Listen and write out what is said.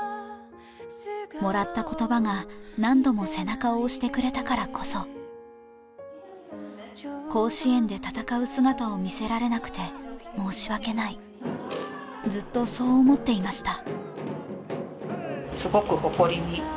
もらった言葉が何度も背中を押してくれたからこそ、甲子園で戦う姿を見せられなくて申し訳ない、ずっと、そう思っていました。